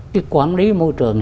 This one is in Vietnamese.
cái quản lý môi trường này